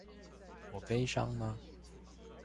我悲傷嗎？